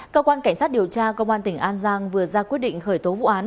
cơ quan cảnh sát điều tra công an tỉnh an giang vừa ra quyết định khởi tố vụ án